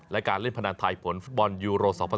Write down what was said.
และการเล่นพนันไทยผลฟุตบอลยูโร๒๐๑